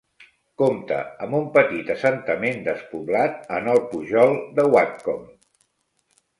Compta amb un petit assentament despoblat en el pujol de Whatcombe.